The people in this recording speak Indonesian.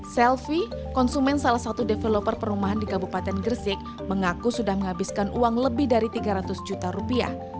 selvi konsumen salah satu developer perumahan di kabupaten gresik mengaku sudah menghabiskan uang lebih dari tiga ratus juta rupiah